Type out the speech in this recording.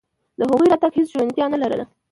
د هغوی راتګ هېڅ شونتیا نه لرله.